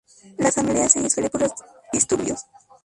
La asamblea se disuelve por los disturbios.